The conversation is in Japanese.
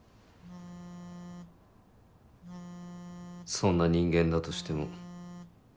そんな人間だとしても。